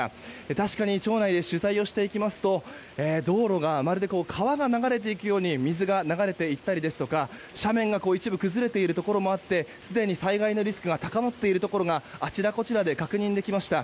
確かに町内で取材をしていきますと道路が川を流れていくように水が流れていったりですとか斜面が一部崩れているところもあってすでに災害のリスクが高まっているところがあちらこちらで確認できました。